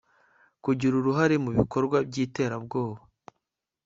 kugira uruhare mu bikorwa by'iterabwoba